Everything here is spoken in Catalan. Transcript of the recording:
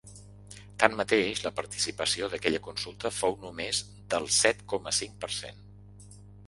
Tanmateix, la participació d’aquella consulta fou només del set coma cinc per cent.